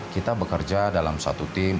kita bekerja dalam satu tim